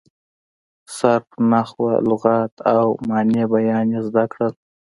صرف، نحو، لغت او معاني بیان یې زده کړل.